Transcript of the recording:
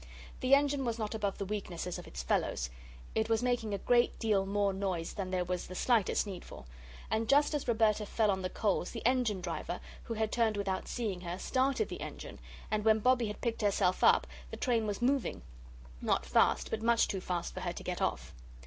The engine was not above the weaknesses of its fellows; it was making a great deal more noise than there was the slightest need for. And just as Roberta fell on the coals, the engine driver, who had turned without seeing her, started the engine, and when Bobbie had picked herself up, the train was moving not fast, but much too fast for her to get off.